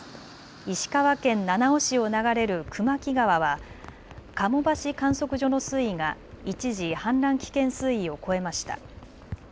石川県七尾市を流れる熊木川は加茂橋観測所の水位が一時、氾濫危険水位を超えました。